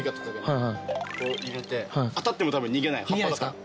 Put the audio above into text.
入れて当たっても多分逃げない葉っぱだから。